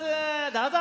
どうぞ！